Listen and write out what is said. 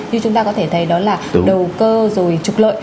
như chúng ta có thể thấy đó là đầu cơ rồi trục lợi